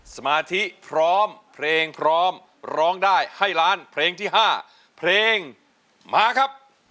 สมาธิพร้อมเพลงพร้อมร้องได้ให้ล้านเพลงที่๕เพลงมาครับ